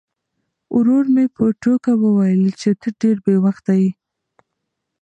ورور مې په ټوکه وویل چې ته ډېر بې وخته یې.